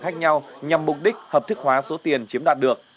khác nhau nhằm mục đích hợp thức hóa số tiền chiếm đoạt được